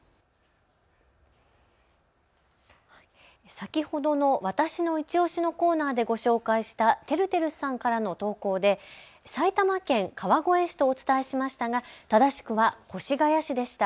先ほどのわたしのいちオシのコーナーでご紹介したテルテルさんからの投稿で埼玉県川越市とお伝えしましたが正しくは越谷市でした。